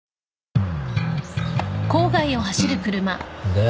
で？